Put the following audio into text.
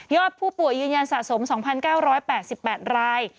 ผู้ป่วยยืนยันสะสม๒๙๘๘ราย